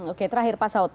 oke terakhir pak saud